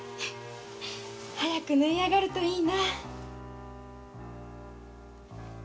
早く縫い上るといいな。